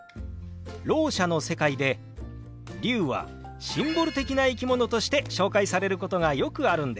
ろう者の世界で龍はシンボル的な生き物として紹介されることがよくあるんです。